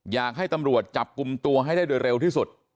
อยากให้ตำรวจจับกลุ่มตัวให้ได้โดยเร็วที่สุด